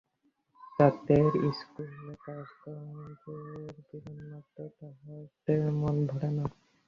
তাঁতের ইস্কুলে কাজ কাজের বিড়ম্বনামাত্র, তাহাতে মন ভরে না।